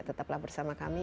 tetaplah bersama kami